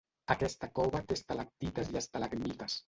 Aquesta cova té estalactites i estalagmites.